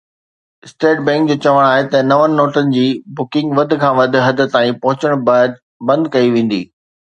state bank جو چوڻ آهي ته نون نوٽن جي بکنگ وڌ کان وڌ حد تائين پهچڻ بعد بند ڪئي ويندي